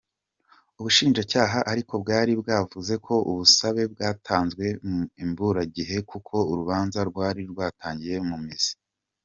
Ubushinjacyaha ariko bwari bwavuze ko ubusabe bwatanzwe imburagihe kuko urubanza rwari rwatangiye mu mizi.